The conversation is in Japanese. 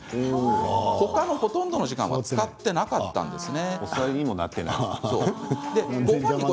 他のほとんどの時間は使っていなかったですね。